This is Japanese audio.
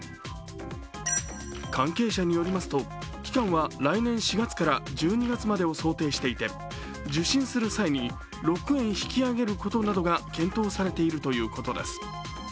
関係者によりますと、期間は来年４月から１２月までを想定していて、受診する際に６円引き上げることなどが検討されているということです。